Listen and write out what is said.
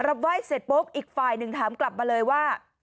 รับไหว้เสร็จปุ๊บอีกฝ่ายหนึ่งถามกลับมาเลยว่า